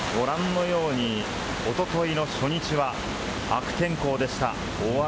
ご覧のように、おとといの初日は悪天候でした。